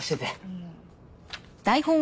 うん。